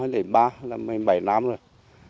năm hai nghìn ba là một mươi bảy năm rồi